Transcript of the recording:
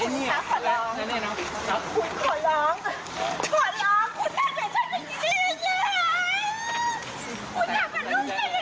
ศีรภัยเป็นไง